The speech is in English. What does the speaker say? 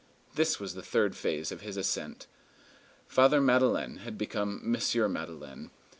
_ This was the third phase of his ascent. Father Madeleine had become Monsieur Madeleine.